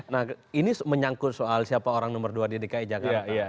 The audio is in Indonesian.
nah ini menyangkut soal siapa orang nomor dua di dki jakarta